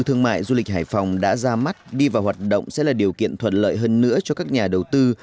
thương mại du lịch hải phòng đã ra mắt đi vào hoạt động sẽ là điều kiện thuận lợi hơn nữa cho các nhà đầu tư